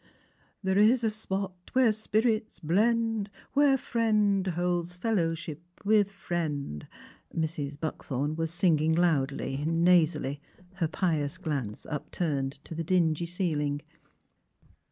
'' There is a spot where spirits blend Where friend holds fellowship with friend. '' Mrs. Buckthorn was singing loudly, nasally, her pious glance upturned to the dingy ceiling.